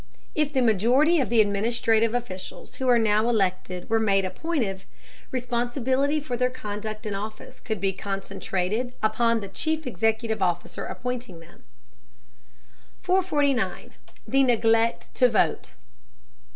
If the majority of the administrative officials who are now elected were made appointive, responsibility for their conduct in office could be concentrated upon the chief executive officer appointing them. 449. THE NEGLECT TO VOTE.